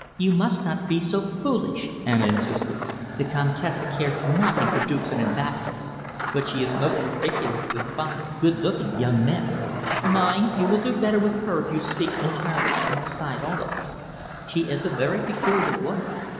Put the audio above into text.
"You must not be so foolish," Anna insisted. "The Comtesse cares nothing for dukes and ambassadors, but she is most ridiculously fond of good looking young men. Mind, you will do better with her if you speak entirely outside all of us. She is a very peculiar woman.